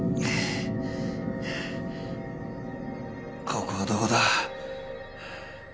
ここはどこだ？